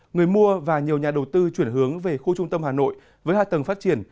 người mua và nhiều nhà đầu tư chuyển hướng về khu trung tâm hà nội với hạ tầng phát triển